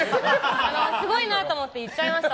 すごいなと思って言っちゃいました、